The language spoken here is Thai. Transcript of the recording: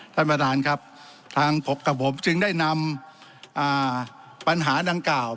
ท่านประธานครับทางกับผมจึงได้นำปัญหาดังกล่าว